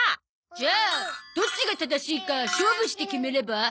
じゃあどっちが正しいか勝負して決めれば？